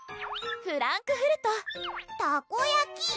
フランクフルトたこ焼き！